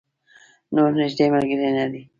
نور نږدې ملګری نه دی.